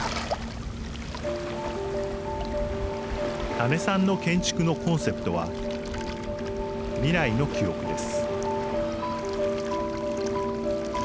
田根さんの建築のコンセプトは「未来の記憶」です。